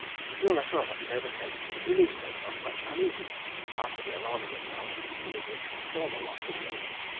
Your letter of October 10th relieved us of much uneasiness, after the alarming account with which the former one was filled.